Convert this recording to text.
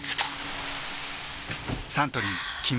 サントリー「金麦」